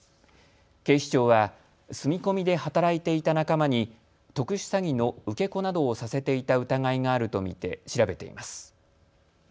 警視庁は住み込みで働いていた仲間に特殊詐欺の受け子などをさせていた疑いがあると見て調べています。